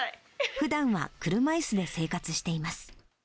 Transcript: ふだんは車いすで生活しています。